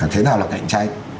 thế nào là cạnh tranh